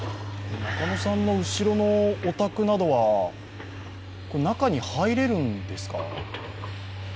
後ろのお宅などは中に入れるんですか？